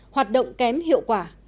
hoạt động kém hiệu quả